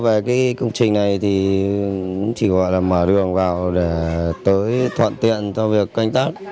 về công trình này thì chỉ gọi là mở đường vào để tới thuận tiện cho việc canh tác